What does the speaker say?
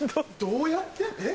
どうやって？